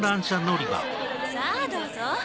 さぁどうぞ。